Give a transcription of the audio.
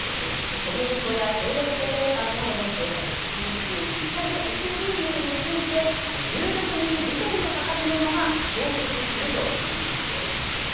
小麦粉やトイレットペーパーなどの生活必需品２０１品目について１６日時点の価格のまま凍結するというキャンペーンなんです。